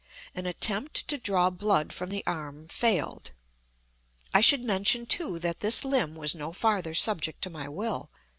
An attempt to draw blood from the arm failed. I should mention, too, that this limb was no farther subject to my will.